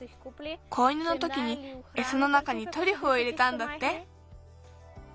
子犬のときにエサの中にトリュフを入れたんだって。